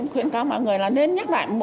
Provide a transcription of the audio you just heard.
khuyên các mọi người là nên nhắc lại